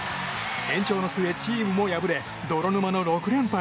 延長の末、チームも破れ泥沼の６連敗。